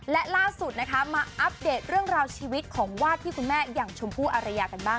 และล่าสุดนะคะมาอัปเดตเรื่องราวชีวิตของวาดที่คุณแม่อย่างชมพู่อารยากันบ้าง